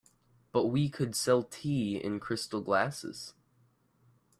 But we could sell tea in crystal glasses.